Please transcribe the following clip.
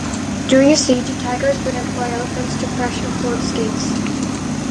During a siege, attackers would employ elephants to crush a fort's gates.